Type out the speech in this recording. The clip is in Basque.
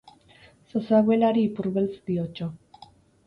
Zozoak beleari ipurbeltz diotso.